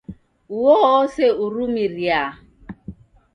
Uo ose urumiria